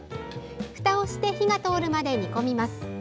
ふたをして火が通るまで煮込みます。